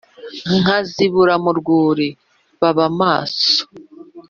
Nkazibura mu rwuri.o baba maso.